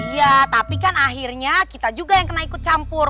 ya tapi kan akhirnya kita juga yang kena ikut campur